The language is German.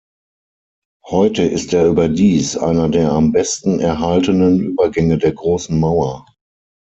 Heute ist er überdies einer der am besten erhaltenen Übergänge der Großen Mauer.